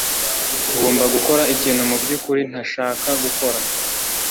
Ngomba gukora ikintu mubyukuri ntashaka gukora.